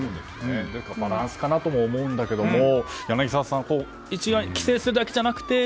バランスかなとも思うんだけど柳澤さん、一概に規制するだけじゃなくて。